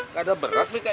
kadang berat nih kayak tadi